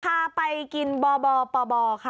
พาไปกินบปบค่ะ